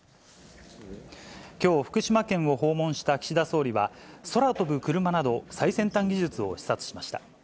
きょう、福島県を訪問した岸田総理は、空飛ぶクルマなど、最先端技術を視察しました。